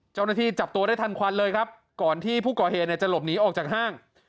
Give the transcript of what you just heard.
เจ้าหน้าที่จับตัวได้ทันควันเลยครับก่อนที่ผู้ก่อเหตุเนี่ยจะหลบหนีออกจากห้าง